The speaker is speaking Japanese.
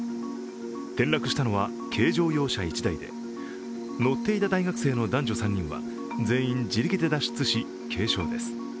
転落したのは軽乗用車１台で乗っていた大学生の男女３人は全員、自力で脱出し軽傷です。